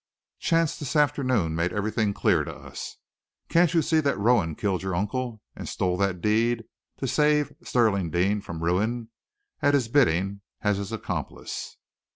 Chance this afternoon made everything clear to us. Can't you see that Rowan killed your uncle and stole that deed to save Stirling Deane from ruin, at his bidding, as his accomplice?"